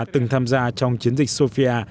từng tham gia trong chiến dịch sofia